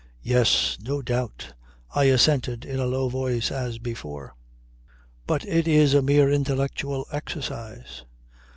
"Yes. No doubt," I assented in a low voice as before. "But it is a mere intellectual exercise.